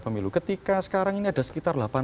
pemilu ketika sekarang ini ada sekitar